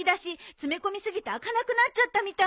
詰め込み過ぎて開かなくなっちゃったみたい。